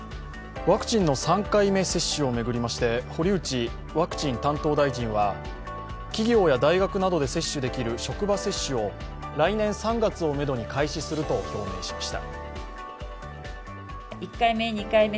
ワクチンの３回目接種を巡りまして堀内ワクチン担当大臣は企業や大学などで接種できる職場接種を来年３月をめどに開始すると表明しました。